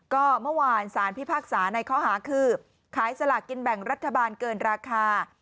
ก็เมื่อวานสารพิพากษาในข้อหาคือขายสลากกินแบ่งรัฐบาลเกินราคา